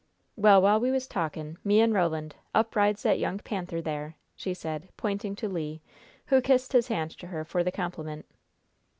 "Well, while we was talkin' me and Roland up rides that young panther there," she said, pointing to Le, who kissed his hand to her for the compliment.